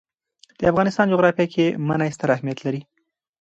د افغانستان جغرافیه کې منی ستر اهمیت لري.